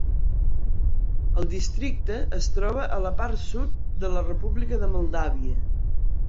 El districte es troba a la part sud de la República de Moldàvia.